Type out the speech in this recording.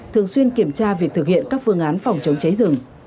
thường xuyên kiểm tra việc thực hiện các phương án phòng chống cháy rừng